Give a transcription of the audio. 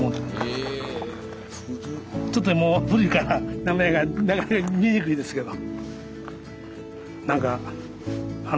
ちょっともう古いから名前がなかなか見にくいですけど。